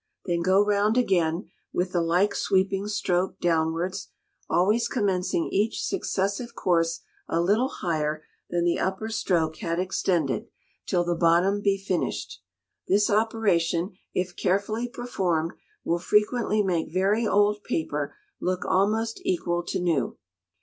Then go round again, with the like sweeping stroke downwards, always commencing each successive course a little higher than the upper stroke had extended, till the bottom be finished. This operation, if carefully performed, will frequently make very old paper look almost equal to new.